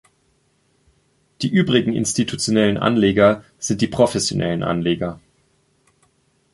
Die übrigen institutionellen Anleger sind die professionellen Anleger.